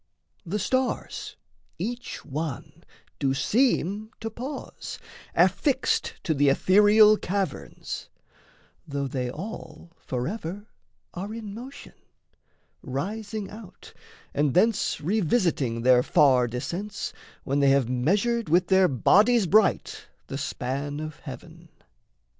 The stars, each one, do seem to pause, affixed To the ethereal caverns, though they all Forever are in motion, rising out And thence revisiting their far descents When they have measured with their bodies bright The span of heaven.